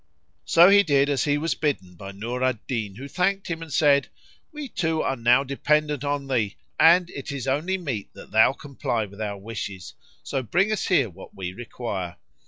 So he did as he was bidden by Nur al Din who thanked him and said, "We two are now dependent on thee, and it is only meet that thou comply with our wishes; so bring us here what we require."